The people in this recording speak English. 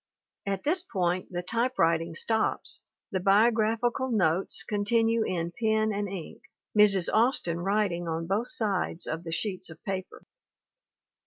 [At this point the typewriting stops ; the "biograph ical notes" continue in pen and ink, Mrs. Austin writ ing on both sides of the sheets of paper.